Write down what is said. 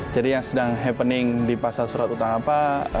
jadi yang sedang happening di pasar surat utang apa